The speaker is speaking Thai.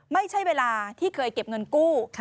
ไม่ใช่เวลาที่เคยเก็บเงินกู้